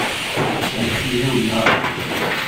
On criait au miracle.